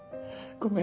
ごめん。